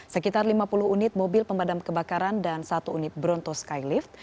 sekitar lima puluh unit mobil pemadam kebakaran dan satu unit bronto skylift